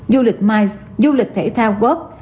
du lịch mais du lịch thể thao góp